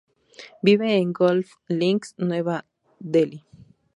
Vive en Golf Links, Nueva Delhi.